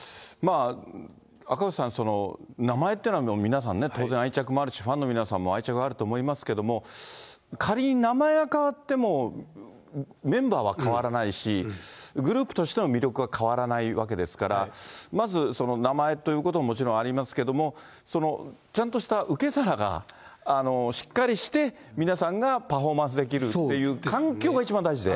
赤星さん、名前っていうのは皆さんね、当然、愛着もあるし、ファンの皆さんも愛着があると思いますけれども、仮に名前が変わっても、メンバーは変わらないし、グループとしての魅力は変わらないわけですから、まず、名前ということももちろんありますけども、そのちゃんとした受け皿が、しっかりして、皆さんがパフォーマンスできるっていう環境が一番大事で。